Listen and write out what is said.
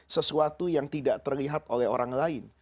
sesuatu yang tidak terlihat oleh orang lain